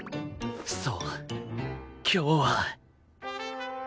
そう今日は